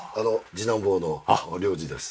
次男坊の亮司です。